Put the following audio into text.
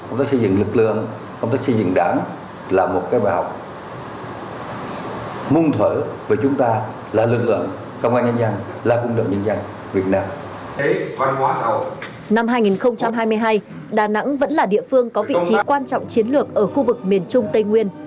năm hai nghìn hai mươi hai đà nẵng vẫn là địa phương có vị trí quan trọng chiến lược ở khu vực miền trung tây nguyên